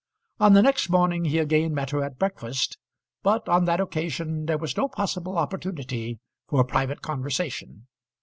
On the next morning he again met her at breakfast, but on that occasion there was no possible opportunity for private conversation.